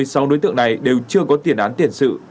cả một mươi sáu đối tượng này đều chưa có tiền án tiền sự